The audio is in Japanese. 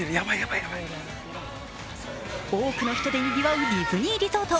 多くの人でにぎわうディズニーリゾート。